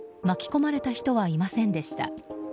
巻き込まれた人はいませんでした。